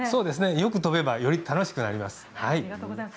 よく飛べばより楽しくなります。